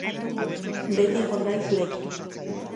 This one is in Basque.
Beti egongo naiz zurekin.